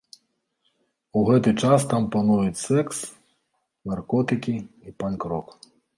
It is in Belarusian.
У гэты час там пануюць секс, наркотыкі і панк-рок.